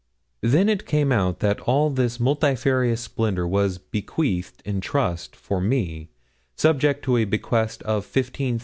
Then it came out that all this multifarious splendour was bequeathed in trust for me, subject to a bequest of 15,000_l_.